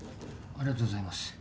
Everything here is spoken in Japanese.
ありがとうございます。